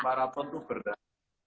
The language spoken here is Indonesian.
maraton tuh berat